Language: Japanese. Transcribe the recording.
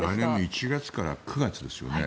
来年の１月から９月ですよね。